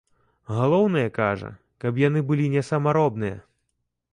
Галоўнае, кажа, каб яны былі не самаробныя.